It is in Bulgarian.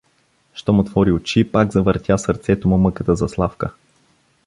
Щом отвори очи, пак завъртя сърцето му мъката за Славка.